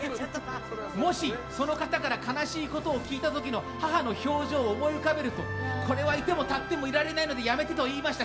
もしその方から悲しいことを聞いた時の母の表情を思い浮かべるとこれはいても立ってもいられないのでやめてと言いました。